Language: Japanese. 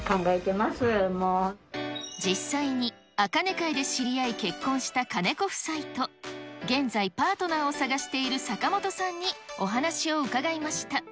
実際に茜会で知り合い結婚した金子夫妻と、現在、パートナーを探している坂本さんにお話を伺いました。